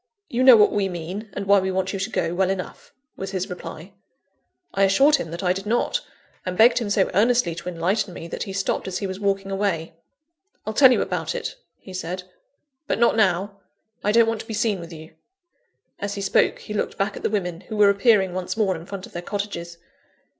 "You know what we mean, and why we want you to go, well enough," was his reply. I assured him that I did not; and begged him so earnestly to enlighten me, that he stopped as he was walking away. "I'll tell you about it," he said; "but not now; I don't want to be seen with you." (As he spoke he looked back at the women, who were appearing once more in front of their cottages.)